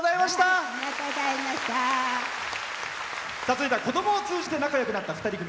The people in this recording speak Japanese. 続いては子供を通じて仲よくなった２人組。